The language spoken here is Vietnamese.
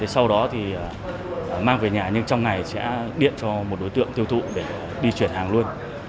sau đó thì mang về nhà nhưng trong ngày sẽ điện cho một đối tượng tiêu thụ để đi chuyển hàng luôn